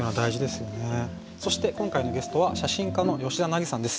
そして今回のゲストは写真家のヨシダナギさんです。